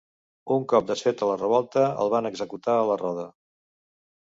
Un cop desfeta la revolta, el van executar a la roda.